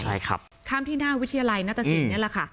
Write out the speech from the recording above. ใช่ครับข้ามที่หน้าวิทยาลัยนัตตสินนี่แหละค่ะ